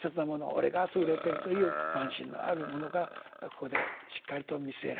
俺が優れているという慢心のある者がここでしっかりと見据えられていく。